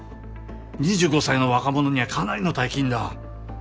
２５歳の若者にはかなりの大金だ。